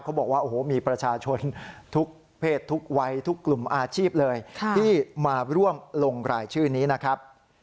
เขาบอกว่าโอ้โหมีประชาชนทุกเพศทุกวัยทุกกลุ่มอาชีพเลยที่มาร่วมลงรายชื่อนี้นะครับ